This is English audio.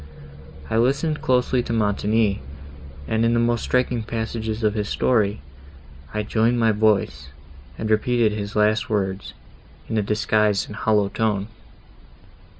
I listened closely to Montoni, and, in the most striking passages of his story, I joined my voice, and repeated his last words, in a disguised and hollow tone."